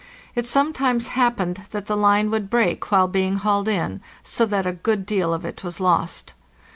It sometimes hap pened that the line would break while being hauled in, so that a good deal of it was lost.